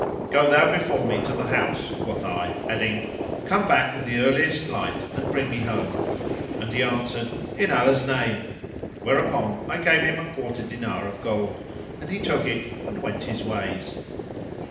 "Go thou before me to the house," quoth I, adding, "Come back with the earliest light and bring me home;" and he answered, "In Allah's name;" whereupon I gave him a quarter dinar of gold, and he took it and went his ways.